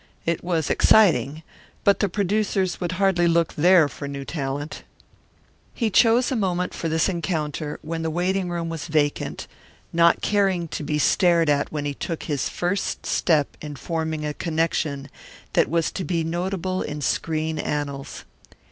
It was exciting, but the producers would hardly look there for new talent. He chose a moment for this encounter when the waiting room was vacant, not caring to be stared at when he took this first step in forming a connection that was to be notable in screen annals.